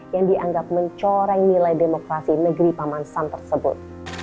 yang dianggap mencoreng nilai demokrasi negeri paman sam tersebut